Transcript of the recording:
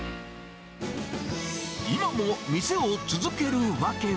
今も店を続ける訳は。